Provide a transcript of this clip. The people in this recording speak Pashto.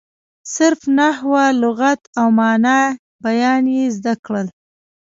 صرف، نحو، لغت او معاني بیان یې زده کړل.